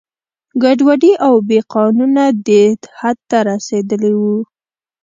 ګډوډي او بې قانونه دې حد ته رسېدلي وو.